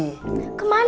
dia pergi lagi